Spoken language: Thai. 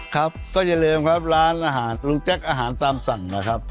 ครับก็อย่าลืมครับร้านอาหารลุงแก๊กอาหารตามสั่งนะครับ